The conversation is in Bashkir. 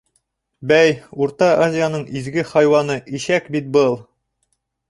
Бәй, Урта Азияның изге хайуаны — ишәк бит был!